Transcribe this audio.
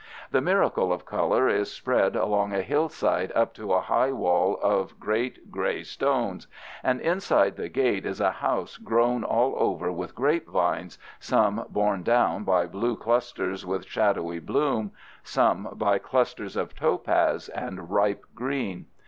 The miracle of color is spread along a hillside up to a high wall of great gray stones, and inside the gate is a house grown all over with grapevines, some borne down by blue clusters with shadowy bloom, some by clusters of topaz and ripe green.